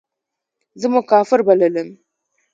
زه مو کافر بللم.